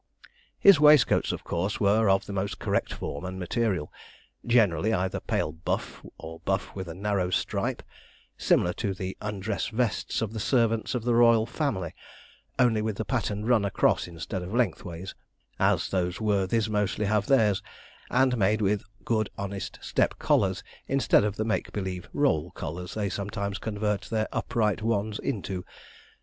His waistcoats, of course, were of the most correct form and material, generally either pale buff, or buff with a narrow stripe, similar to the undress vests of the servants of the Royal Family, only with the pattern run across instead of lengthways, as those worthies mostly have theirs, and made with good honest step collars, instead of the make believe roll collars they sometimes convert their upright ones into.